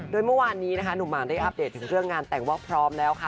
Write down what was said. โดยเมื่อวานนี้นะคะหนุ่มหมากได้อัปเดตถึงเรื่องงานแต่งว่าพร้อมแล้วค่ะ